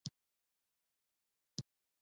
خو اوس د هر راز کتاب پرېماني لیدل کېدله.